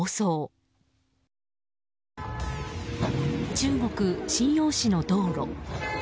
中国・瀋陽市の道路。